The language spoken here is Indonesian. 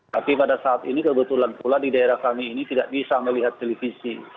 tapi pada saat ini kebetulan pula di daerah kami ini tidak bisa melihat televisi